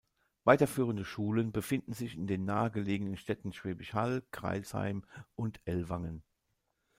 Weiterführende Schulen befinden sich in den nahe gelegenen Städten Schwäbisch Hall, Crailsheim und Ellwangen.